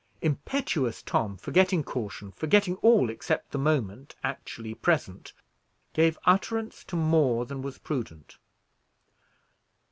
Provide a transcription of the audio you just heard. Impetuous Tom, forgetting caution, forgetting all except the moment actually present, gave utterance to more than was prudent.